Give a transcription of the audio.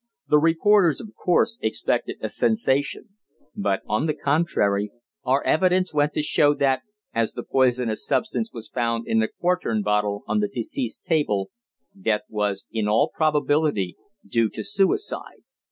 The reporters, of course, expected a sensation; but, on the contrary, our evidence went to show that, as the poisonous substance was found in the "quartern" bottle on deceased's table, death was in all probability due to suicide.